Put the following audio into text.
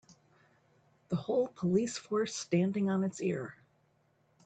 The whole police force standing on it's ear.